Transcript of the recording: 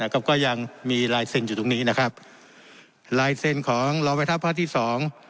ก็ยังมีลายเซ็นต์อยู่ตรงนี้นะครับลายเซ็นต์ของรองแม่ทัพภาคที่สอง